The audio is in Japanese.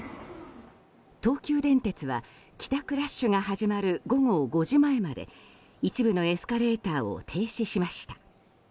東急電鉄は帰宅ラッシュが始まる午後５時前まで一部のエスカレーターを停止しました。